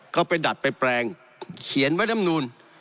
เขาไปดัดไปแปลงเขียนไว้ลำนูน